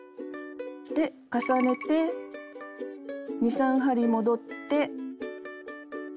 で重ねて２３針戻って。